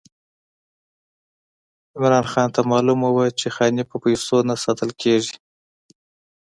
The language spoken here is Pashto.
عمرا خان ته معلومه وه چې خاني په پیسو نه ساتل کېږي.